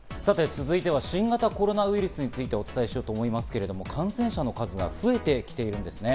続いては新型コロナウイルスについてお伝えしたいと思うんですが、感染者の数が増えてきているんですね。